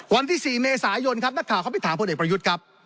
วันที่๔เมษายนครับนักข่าวเขาไปถามพลเอกประยุทธ์ครับ